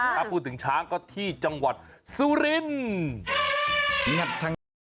ถ้าพูดถึงช้างก็ที่จังหวัดสุรินทร์